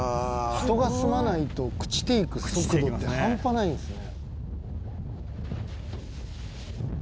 「人が住まないと朽ちていく速度って半端ないんですね」